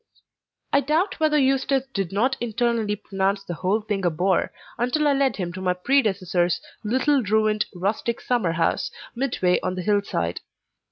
I doubt whether Eustace did not internally pronounce the whole thing a bore, until I led him to my predecessor's little ruined, rustic summer house, midway on the hillside.